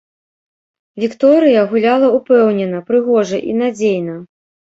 Вікторыя гуляла ўпэўнена, прыгожа і надзейна.